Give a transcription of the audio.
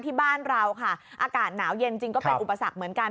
ที่บ้านเราค่ะอากาศหนาวเย็นจริงก็เป็นอุปสรรคเหมือนกัน